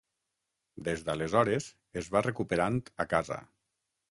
Des d’aleshores, es va recuperant a casa.